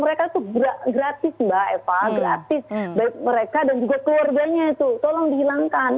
mereka itu gratis mbak eva gratis baik mereka dan juga keluarganya itu tolong dihilangkan